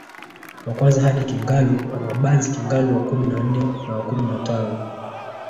wa kwanza hadi Kingalu Mwanabanzi Kingalu wa kumi na nne na wa kumi na